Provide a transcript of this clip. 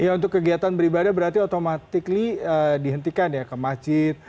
ya untuk kegiatan beribadah berarti otomatis dihentikan ya ke masjid